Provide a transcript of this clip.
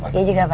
dia juga pak